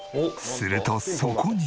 するとそこに。